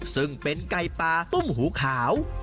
ซึ่งเป็นไก่ปลาตุ้มหูขาว